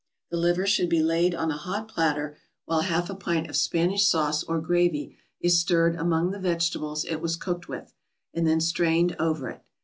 The liver should be laid on a hot platter, while half a pint of Spanish sauce or gravy is stirred among the vegetables it was cooked with, and then strained over it.